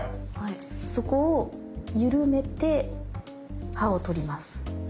そこを緩めて刃を取ります。